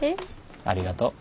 ありがとう。